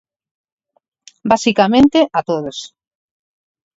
Basicamente, a todos.